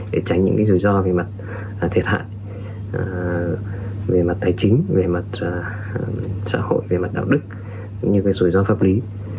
để tránh những rủi ro về mặt thiệt hạn về mặt tài chính về mặt xã hội về mặt đạo đức những rủi ro pháp lý